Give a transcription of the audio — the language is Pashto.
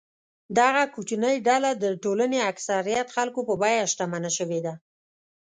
دغه کوچنۍ ډله د ټولنې اکثریت خلکو په بیه شتمنه شوې ده.